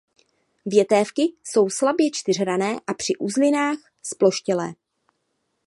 Větévky jsou slabě čtyřhranné a při uzlinách zploštělé.